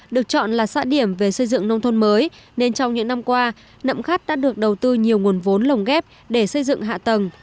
được chọn là xã điểm về xây dựng nông thôn mới nên trong những năm qua nậm khắt đã được đầu tư nhiều nguồn vốn lồng ghép để xây dựng hạ tầng